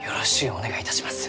お願いいたします。